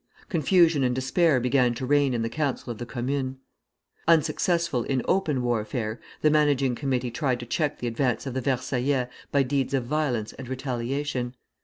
Confusion and despair began to reign in the Council of the Commune. Unsuccessful in open warfare, the managing committee tried to check the advance of the Versaillais by deeds of violence and retaliation.